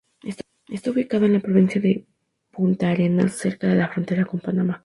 Está ubicado en la provincia de Puntarenas cerca de la frontera con Panamá.